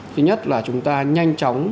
thứ nhất là chúng ta nhanh chóng